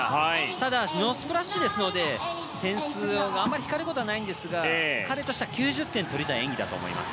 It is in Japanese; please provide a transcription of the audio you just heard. ただ、ノースプラッシュですので点数があまり引かれることはないんですが彼としては９０点を取りたい演技だと思います。